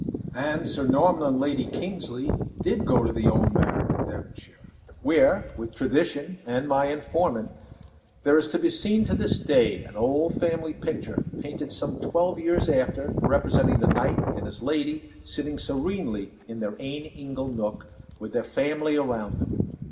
And Sir Norman and Lady Kingsley did go to the old manor in Devonshire, where with tradition and my informant there is to be seen to this day, an old family picture, painted some twelve years after, representing the knight and his lady sitting serenely in their "ain ingle nook" with their family around them.